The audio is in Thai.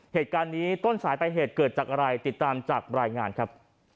เหตุการณ์นี้ต้นสายไปเหตุเกิดจากอะไรติดตามจากรายงานครับ